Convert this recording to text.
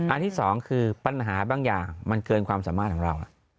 ที่สองคือปัญหาบางอย่างมันเกินความสามารถของเรา